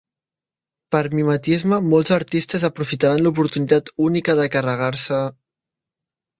Per mimetisme molts artistes aprofitaran l'oportunitat única de carregar-se...